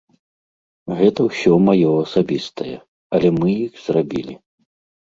Гэта ўсё маё асабістае, але мы іх зрабілі.